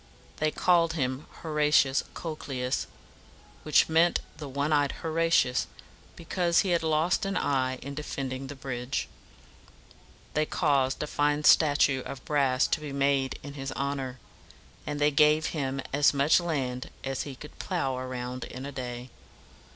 They called him Horatius Co´cles, which meant the "one eyed Horatius," because he had lost an eye in defending the bridge; they caused a fine statue of brass to be made in his honor; and they gave him as much land as he could plow around in a day.